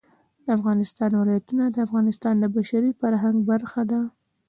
د افغانستان ولايتونه د افغانستان د بشري فرهنګ برخه ده.